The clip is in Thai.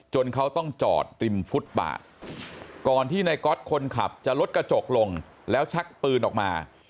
เขาต้องจอดริมฟุตบาทก่อนที่นายก๊อตคนขับจะลดกระจกลงแล้วชักปืนออกมา